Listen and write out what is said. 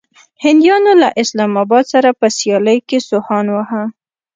هنديانو له اسلام اباد سره په سيالۍ کې سوهان واهه.